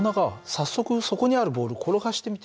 早速そこにあるボール転がしてみて。